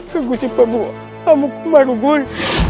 keguti pemukul baru pun